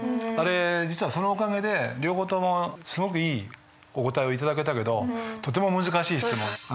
あれ実はそのおかげで両方ともすごくいいお答えを頂けたけどとても難しい質問。